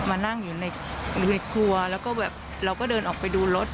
มานั่งอยู่ในครัวแล้วก็แบบเราก็เดินออกไปดูรถ